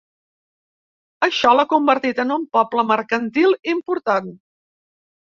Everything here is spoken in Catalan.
Això l'ha convertit en un poble mercantil important.